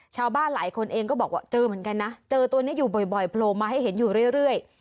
ชาวบ้านหลายคนเองก็บอกว่าเจอเหมือนกันนะเจอตัวนี้อยู่บ่อยโผล่มาให้เห็นอยู่เรื่อย